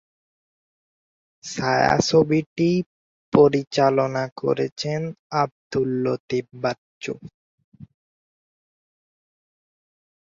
ছায়াছবিটি পরিচালনা করেছেন আব্দুল লতিফ বাচ্চু।